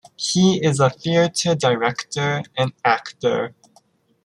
He is a theatre director and actor.